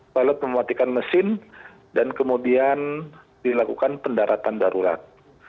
pilot mematikan mesin dan kemudian dilakukan pendaratan darurat